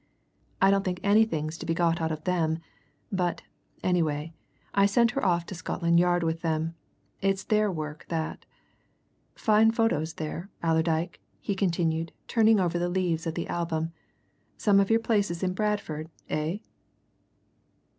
I don't think anything's to be got out of them, but, anyway, I sent her off to Scotland Yard with them it's their work that. Fine photos there, Allerdyke," he continued, turning over the leaves of the album. "Some of your places in Bradford, eh."